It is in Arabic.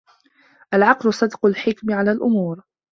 العقل صدق الحكم على الأمور